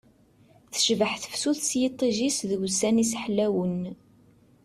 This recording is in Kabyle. Tecbeḥ tefsut s yiṭij-is d wussan-is ḥlawen